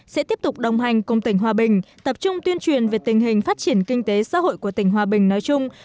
sẽ tiếp tục đồng hành cùng tỉnh hòa bình tập trung tuyên truyền về tình hình phát triển kinh tế xã hội của tỉnh hòa bình nói chung